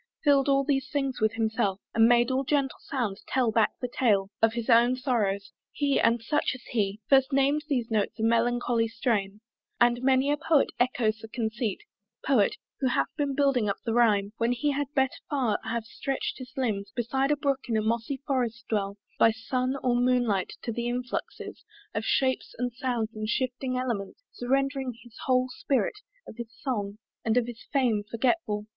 fill'd all things with himself And made all gentle sounds tell back the tale Of his own sorrows) he and such as he First nam'd these notes a melancholy strain; And many a poet echoes the conceit, Poet, who hath been building up the rhyme When he had better far have stretch'd his limbs Beside a brook in mossy forest dell By sun or moonlight, to the influxes Of shapes and sounds and shifting elements Surrendering his whole spirit, of his song And of his fame forgetful!